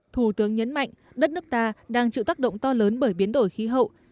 thủ tướng nhấn mạnh đất nước ta đang chịu tác động to lớn bởi biến đổi khí hậu